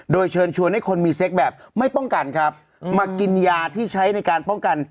โดยเชิญชวนให้คนมีเซ็กแบบไม่ป้องกันครับมากินยาที่ใช้ในการป้องกัน